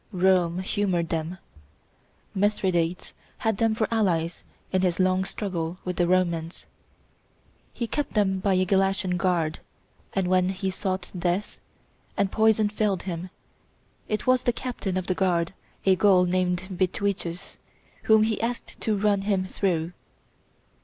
Rome humored them; Mithridates had them for allies in his long struggle with the Romans. He kept by him a Galatian guard; and when he sought death, and poison failed him, it was the captain of the guard, a Gaul named Bituitus, whom he asked to run him through.